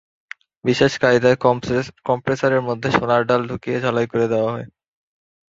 বিশেষ কায়দায় কম্প্রেসারের মধ্যে সোনার ডাল ঢুকিয়ে ঝালাই করে দেওয়া হয়।